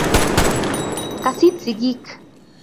kas it sikik